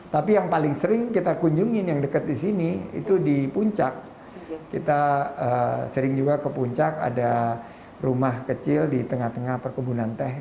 tapi yang paling sering kita kunjungin yang dekat di sini itu di puncak kita sering juga ke puncak ada rumah kecil di tengah tengah perkebunan teh